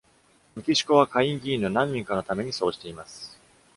メキシコは下院議員の何人かのためにそうしています。